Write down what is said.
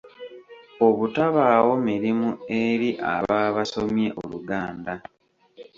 Obutabaawo mirimu eri ababa basomye Oluganda